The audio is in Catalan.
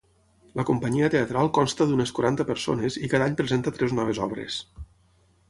La companyia teatral consta d'unes quaranta persones i cada any presenta tres noves obres.